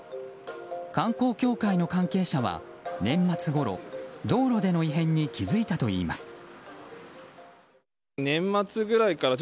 観光協会の関係者は年末ごろ道路での異変に気付いたといいます。